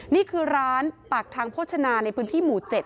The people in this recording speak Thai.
นี่คือร้านปากทางโภชนาในพื้นที่หมู่๗